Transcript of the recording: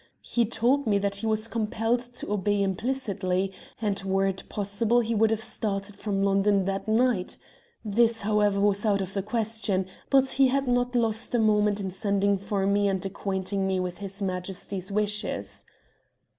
He told me that he was compelled to obey implicitly, and were it possible he would have started from London that night. This, however, was out of the question, but he had not lost a moment in sending for me and acquainting me with his Majesty's wishes.